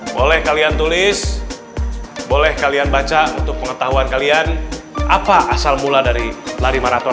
boleh kalian tulis boleh kalian baca untuk pengetahuan kalian apa asal mula dari lari maraton